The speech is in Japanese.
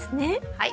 はい。